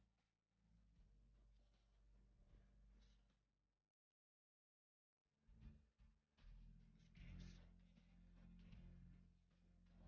ibu selalu ada di sebelah kamu